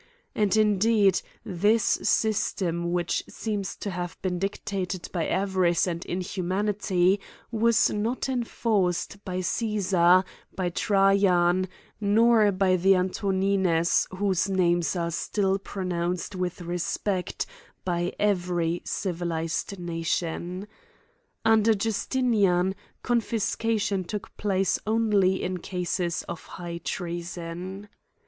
Arid^ indeed, this system which seems to have been dic tated by avarice and inhumanity, was not enforced by Caesar, by Trajan, nor by the Antonines whose names are still pronounced with respect by every civilized nation. Under Justinian, confis. cation took place only in cases of high treason.